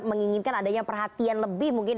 menginginkan adanya perhatian lebih mungkin